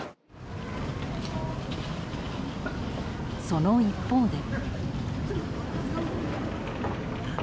その一方で。